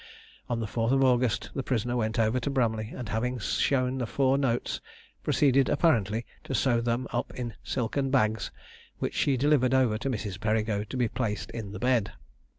On the fourth of August the prisoner went over to Bramley, and having shown the four notes, proceeded apparently to sew them up in silken bags, which she delivered over to Mrs. Perigo to be placed in the bed.